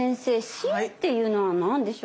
心っていうのは何でしょうか？